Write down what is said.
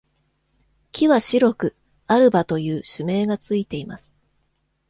木は白く、「アルバ」という種名がついています。